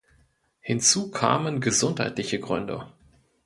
Hinzu kamen gesundheitliche Gründe.